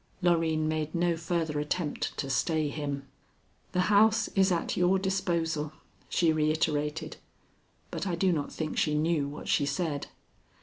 Loreen made no further attempt to stay him. "The house is at your disposal," she reiterated, but I do not think she knew what she said.